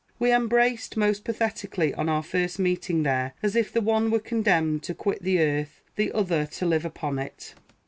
We embraced most pathetically on our first meeting there, as if the one were condemned to quit the earth, the other to live upon it.